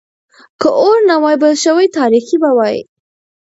که اور نه وای بل شوی، تاريکي به وای.